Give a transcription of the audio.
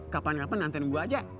kapan kapan nantain gua aja